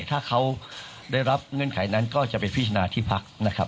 ถ้าเขาได้รับเงื่อนไขนั้นก็จะไปพิจารณาที่พักนะครับ